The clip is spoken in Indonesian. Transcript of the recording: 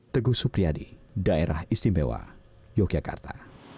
teguh supriyadi daerah istimewa yogyakarta